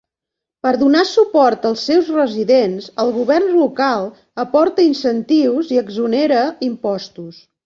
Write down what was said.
Per donar suport als seus residents el govern local aporta incentius i exonera impostos.